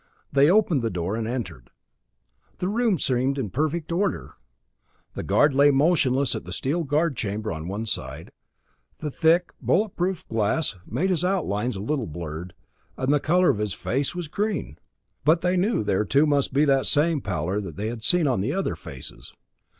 They opened the door and entered. The room seemed in perfect order. The guard lay motionless in the steel guard chamber at one side; the thick, bullet proof glass made his outlines a little blurred, and the color of his face was green but they knew there too must be that same pallor they had seen on the other faces.